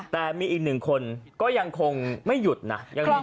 แต่มีอีกหนึ่งคนก็ยังคงไม่หยุดนะ